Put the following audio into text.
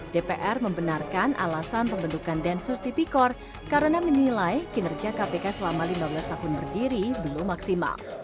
dpr membenarkan alasan pembentukan densus tipikor karena menilai kinerja kpk selama lima belas tahun berdiri belum maksimal